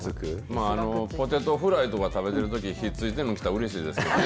ポテトフライとか食べてるとき、ひっついてるの来たら、うれしいですよね。